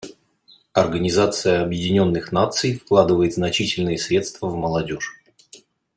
Организация Объединенных Наций вкладывает значительные средства в молодежь.